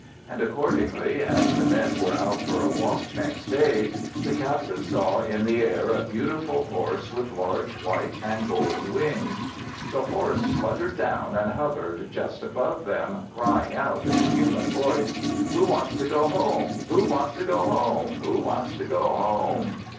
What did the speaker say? And accordingly, as the men were out for a walk next day, the captain saw in the air a beautiful horse with large white and gold wings. The horse fluttered down, and hovered just above them, crying out, in a human voice: "Who wants to go home? who wants to go home? who wants to go home?"